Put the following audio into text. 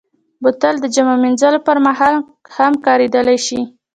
بوتل د جامو مینځلو پر مهال هم کارېدلی شي.